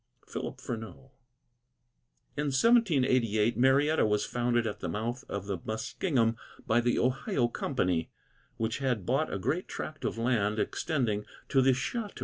PHILIP FRENEAU. In 1788 Marietta was founded at the mouth of the Muskingum by the Ohio Company, which had bought a great tract of land extending to the Scioto.